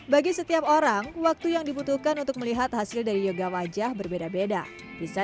bagi setiap orang waktu yang dibutuhkan untuk melihat hasil dari yoga wajah berbeda beda bisa